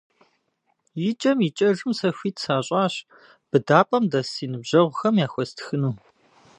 ИкӀэм-икӀэжым сэ хуит сащӀащ быдапӀэм дэс си ныбжьэгъухэм яхуэстхыну.